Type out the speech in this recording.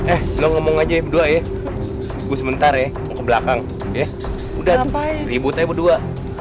eh lo ngomong aja ya dua ya gue sebentar ya ke belakang ya udah ribut aja ya buat dua